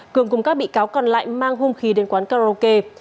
cường cùng các bị cáo còn lại mang hung khí đến quán karaoke